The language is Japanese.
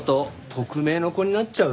特命の子になっちゃう？